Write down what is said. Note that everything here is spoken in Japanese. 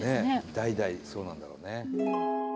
代々そうなんだろうね。